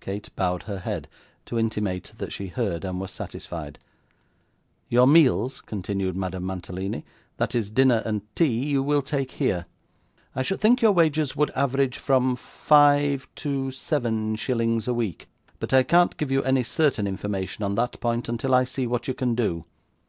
Kate bowed her head, to intimate that she heard, and was satisfied. 'Your meals,' continued Madame Mantalini, 'that is, dinner and tea, you will take here. I should think your wages would average from five to seven shillings a week; but I can't give you any certain information on that point, until I see what you can do.